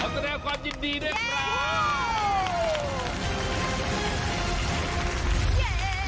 ขอแทบความจริงดีได้ครับ